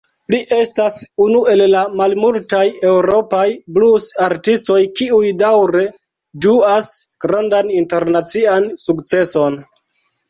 Li estas unu el la malmultaj eŭropaj blus-artistoj kiuj daŭre ĝuas grandan internacian sukceson.